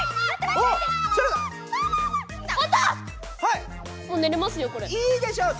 いいでしょう。